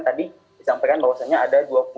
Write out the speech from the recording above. tadi disampaikan bahwasannya ada dua puluh